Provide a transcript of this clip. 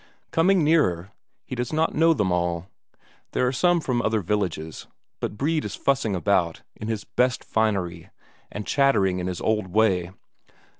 Coming nearer, he does not know them all; there are some from other villages, but Brede is fussing about, in his best finery, and chattering in his old way.